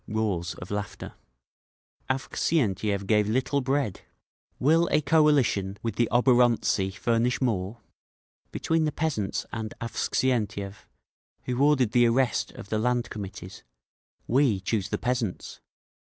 Roars of laughter. "Avksentiev gave little bread. Will a coalition with the oborontsi furnish more? Between the peasants and Avksentiev, who ordered the arrest of the Land Committees, we choose the peasants!